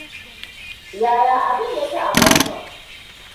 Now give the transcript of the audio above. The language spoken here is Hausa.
Yaya abin yake a Boston?